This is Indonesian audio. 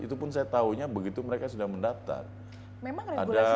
itu pun saya tahunya begitu mereka sudah mendaftar